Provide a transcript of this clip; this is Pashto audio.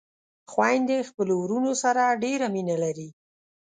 خويندې خپلو وروڼو سره ډېره مينه لري